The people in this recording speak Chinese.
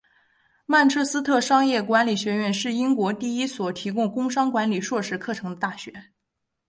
曼彻斯特商业管理学院是英国第一所提供工商管理硕士课程的大学。